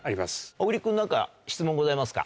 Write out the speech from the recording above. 小栗君何か質問ございますか？